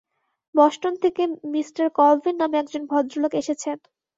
Boston থেকে মি Colville নামে একজন ভদ্রলোক এসেছেন।